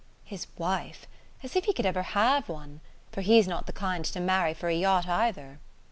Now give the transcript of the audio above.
"His wife! As if he could ever have one! For he's not the kind to marry for a yacht either."